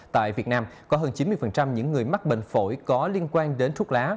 tại việt nam có hơn chín mươi những người mắc bệnh phổi có liên quan đến thuốc lá